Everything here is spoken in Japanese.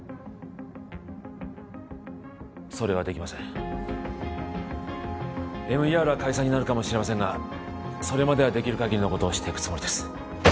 それはできませんＭＥＲは解散になるかもしれませんがそれまではできるかぎりのことをしていくつもりです